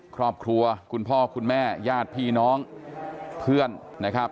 คุณพ่อคุณแม่ญาติพี่น้องเพื่อนนะครับ